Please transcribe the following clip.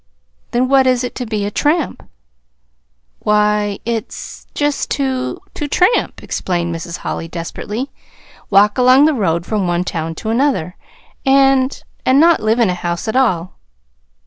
"Then, what is it to be a tramp?" "Why, it's just to to tramp," explained Mrs. Holly desperately; "walk along the road from one town to another, and and not live in a house at all."